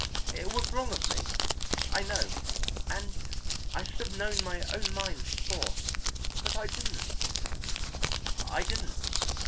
It was wrong of me, I know, and I should have known my own mind before, but I didn't, I didn't.